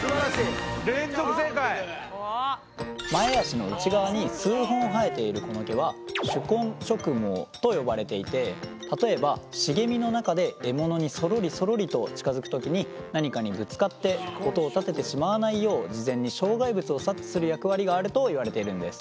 前足の内側に数本生えているこの毛は手根触毛と呼ばれていて例えば茂みの中で獲物にそろりそろりと近づく時に何かにぶつかって音をたててしまわないよう事前に障害物を察知する役割があるといわれているんです。